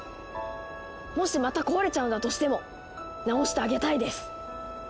もしまた壊れちゃうんだとしてもなおしてあげたいです！